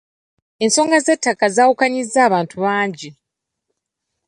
Ensonga z'ettaka zaawukanyizza abantu bangi.